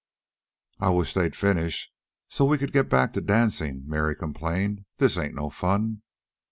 "I wish they'd finish, so as we could get back to the dancin'," Mary complained. "This ain't no fun."